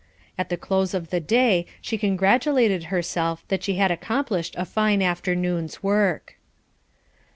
At the close of the day she congratulated herself that she had accomplished a fine afternoon's work.